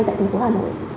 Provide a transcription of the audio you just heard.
tại thành phố hà nội